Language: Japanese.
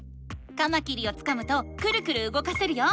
カマキリをつかむとクルクルうごかせるよ。